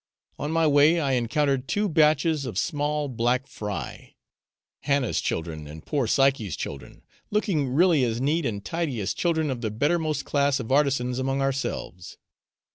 On my way I encountered two batches of small black fry, Hannah's children and poor Psyche's children, looking really as neat and tidy as children of the bettermost class of artisans among ourselves.